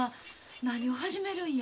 何を始めるんや？